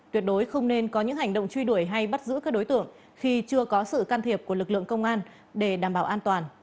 tuyệt đối không nên có những hành động truy đuổi hay bắt giữ các đối tượng khi chưa có sự can thiệp của lực lượng công an để đảm bảo an toàn